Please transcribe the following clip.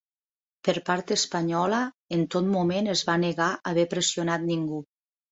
Per part espanyola en tot moment es va negar haver pressionat ningú.